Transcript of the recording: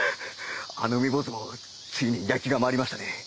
あの海坊主もついに焼きが回りましたね。